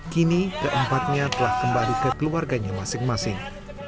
kini keempatnya telah kembali ke keluarganya masing masing